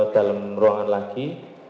dalem ruangan lagi